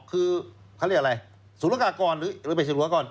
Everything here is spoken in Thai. คือเขาเรียกอะไรศูนยกากรหรือไม่ใช่ศูนยกากร